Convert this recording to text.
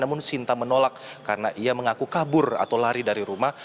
namun sinta menolak karena ia mengaku kabur atau lari dari rumah